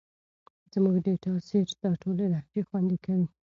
زموږ ډیټا سیټ دا ټولې لهجې خوندي کوي.